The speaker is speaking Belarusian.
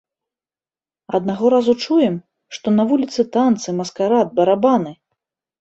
Аднаго разу чуем, што на вуліцы танцы, маскарад, барабаны.